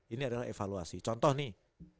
ini adalah evaluasi contoh nih